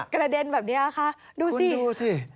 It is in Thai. กระเด็นแบบนี้ค่ะดูสิดูสิ